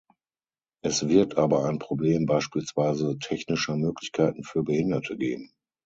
Es wird aber ein Problem beispielsweise technischer Möglichkeiten für Behinderte geben.